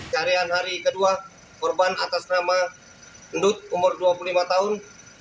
carian hari kedua korban atas nama endut umur dua puluh lima tahun